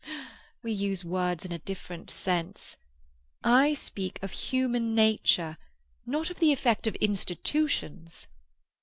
"Ah, we use words in a different sense. I speak of human nature, not of the effect of institutions."